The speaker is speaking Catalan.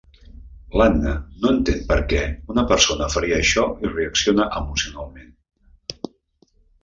L'Anna no entén perquè una persona faria això i reacciona emocionalment.